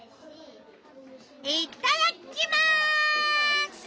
いっただっきます！